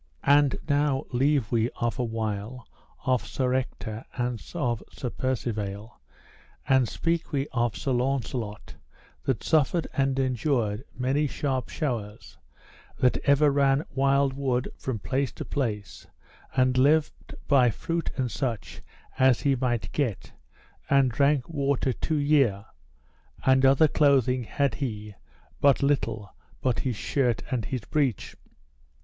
And now leave we of a while of Sir Ector and of Sir Percivale, and speak we of Sir Launcelot that suffered and endured many sharp showers, that ever ran wild wood from place to place, and lived by fruit and such as he might get, and drank water two year; and other clothing had he but little but his shirt and his breech.